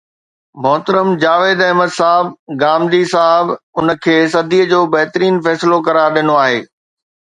محترم جاويد احمد صاحب غامدي صاحب ان کي صديءَ جو بهترين فيصلو قرار ڏنو آهي